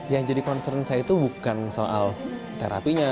yang jadi concern saya itu bukan soal terapinya